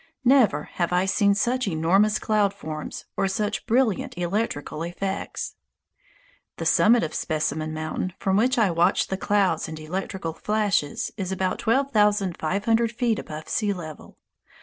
Never have I seen such enormous cloud forms or such brilliant electrical effects. The summit of Specimen Mountain, from which I watched the clouds and electrical flashes, is about twelve thousand five hundred feet above sea level.